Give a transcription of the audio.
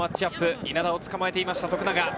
稲田を捕まえていました、徳永。